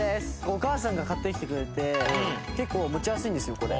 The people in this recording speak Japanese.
お母さんが買ってきてくれて結構持ちやすいんですよこれ。